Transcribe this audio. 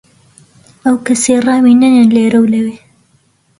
ئەو کەسەی ڕاوی نەنێن لێرە و لەوێ،